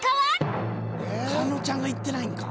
狩野ちゃんがいってないんか。